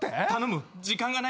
時間がないんだ。